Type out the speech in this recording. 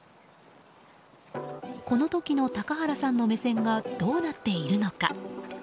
この時の高原さんの目線がどうなっているのか。